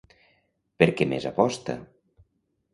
Per què més aposta?